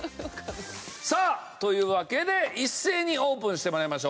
さあというわけで一斉にオープンして参りましょう。